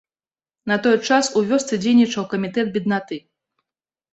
На той час у вёсцы дзейнічаў камітэт беднаты.